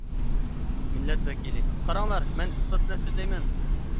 مىللەت ۋەكىلى: قاراڭلار، مەن ئىسپات بىلەن سۆزلەيمەن.